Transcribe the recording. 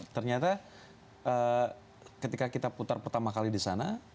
ternyata ketika kita putar pertama kali di sana